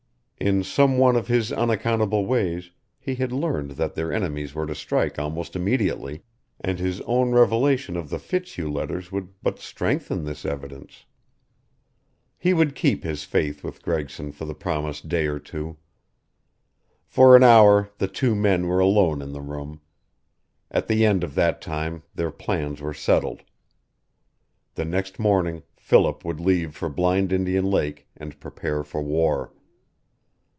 In some one of his unaccountable ways he had learned that their enemies were to strike almost immediately, and his own revelation of the Fitzhugh letters would but strengthen this evidence. He would keep his faith with Gregson for the promised day or two. For an hour the two men were alone in the room. At the end of that time their plans were settled. The next morning Philip would leave for Blind Indian Lake and prepare for war.